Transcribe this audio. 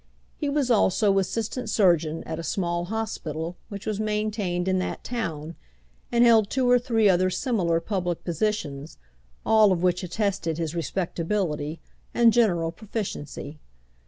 He was also assistant surgeon at a small hospital which was maintained in that town, and held two or three other similar public positions, all of which attested his respectability and general proficiency.